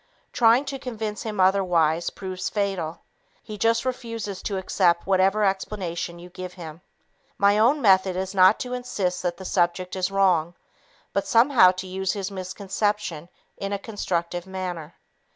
Trying to convince him otherwise proves fatal. He just refuses to accept whatever explanation you give him. My own method is not to insist that the subject is wrong, but somehow to use his misconception in a constructive manner.